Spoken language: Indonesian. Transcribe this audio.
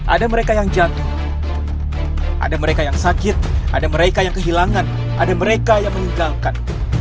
ada mereka yang jatuh ada mereka yang sakit ada mereka yang kehilangan ada mereka yang meninggalkan